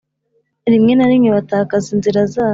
rimwe na rimwe batakaza inzira zabo